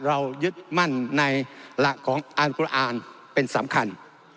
ยึดมั่นในหลักของอานกุอ่านเป็นสำคัญ